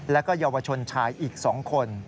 แล้วก็เยาวชนชายอีก๒คน